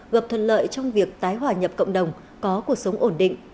gặp thuận lợi trong việc tái hòa nhập cộng đồng có cuộc sống ổn định